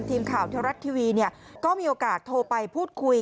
ทีมข่าวเทวรัฐทีวีก็มีโอกาสโทรไปพูดคุย